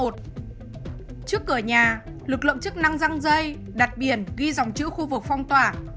trước cửa nhà lực lượng chức năng răng dây đặt biển ghi dòng chữ khu vực phong tỏa